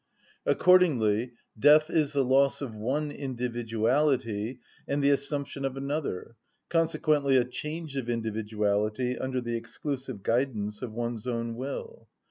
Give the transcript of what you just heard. Accordingly death is the loss of one individuality and the assumption of another, consequently a change of individuality under the exclusive guidance of one's own will.